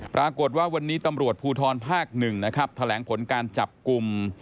ปรากฏว่าวันนี้ตำรวจภูทรภาค๑นะครับแถลงผลการจับกลุ่ม